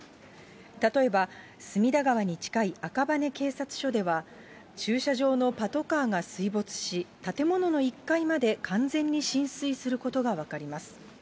例えば、隅田川に近い赤羽警察署では、駐車場のパトカーが水没し、建物の１階まで完全に浸水することが分かります。